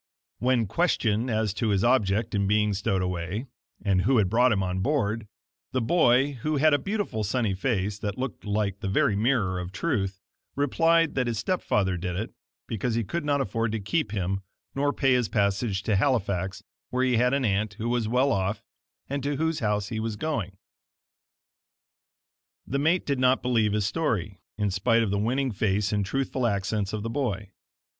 When questioned as to his object in being stowed away, and who had brought him on board, the boy, who had a beautiful sunny face, that looked like the very mirror of truth, replied that his step father did it, because he could not afford to keep him nor pay his passage to Halifax where he had an aunt who was well off, and to whose house he was going. The mate did not believe his story, in spite of the winning face and truthful accents of the boy.